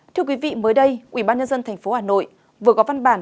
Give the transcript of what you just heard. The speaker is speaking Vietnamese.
thưa quý vị mới đây ubnd tp hcm vừa có văn bản